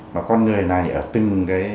mà con người này ở từng cái